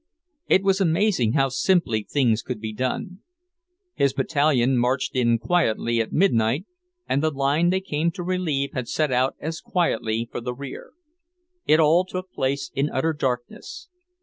It was amazing how simply things could be done. His battalion had marched in quietly at midnight, and the line they came to relieve had set out as silently for the rear. It all took place in utter darkness.